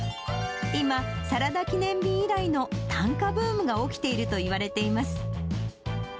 今、サラダ記念日以来の短歌ブームが起きているといわれています。